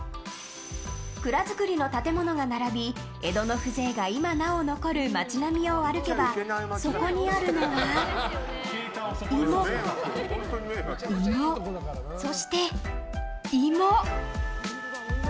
蔵造りの建物が並び江戸の風情が今なお残る街並みを歩けばそこにあるのは芋、芋、そして芋！